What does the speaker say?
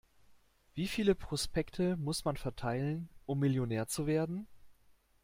Wie viele Prospekte muss man verteilen, um Millionär zu werden?